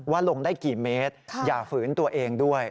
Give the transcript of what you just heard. ลงได้กี่เมตรอย่าฝืนตัวเองด้วย